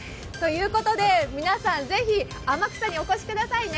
皆さん、ぜひ天草にお越しくださいね。